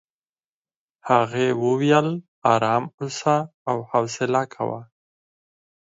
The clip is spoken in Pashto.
هغې وویل ارام اوسه او حوصله کوه.